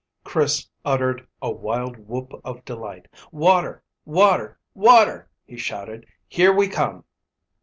Chris uttered a wild whoop of delight. "Water! Water! Water!" he shouted. "Here we come!"